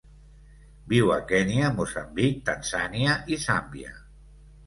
Viu a Kenya, Moçambic, Tanzània i Zàmbia.